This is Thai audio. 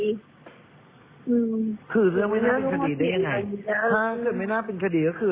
อืมคือเรื่องไม่น่าเป็นคดีได้ยังไงถ้าเกิดไม่น่าเป็นคดีก็คือ